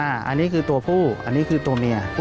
อันนี้คือตัวผู้อันนี้คือตัวเมีย